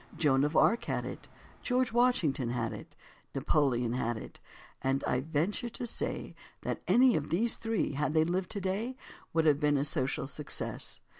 Joan of Arc had it, George Washington had it, Napoleon had it—and I venture to say that any of these three, had they lived today, Would have been a social success.